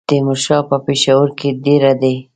تیمورشاه په پېښور کې دېره دی.